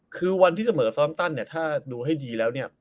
คือวันที่เสมอซ้อมตันเนี่ยถ้าดูให้ดีแล้วเนี่ย